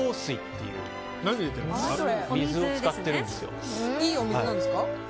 いいお水なんですか？